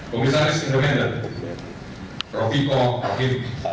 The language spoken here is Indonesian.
komisaris independen rofiko akim